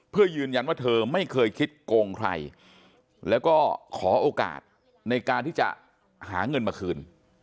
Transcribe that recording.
เพื่อยืนยันว่าเธอไม่เคยคิดโกงใครแล้วก็ขอโอกาสในการที่จะหาเงินมาคืน